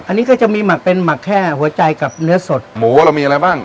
อันนี้ก็จะมีหมักเป็นหมักแค่หัวใจกับเนื้อสดหมูเรามีอะไรบ้าง